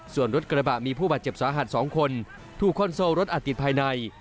ส่วนรถกระบะมีผู้บาดเจ็บสาหัส๒คนถูกคอนโซลรถอาจติดภายใน